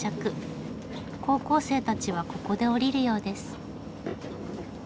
高校生たちはここで降りるようです。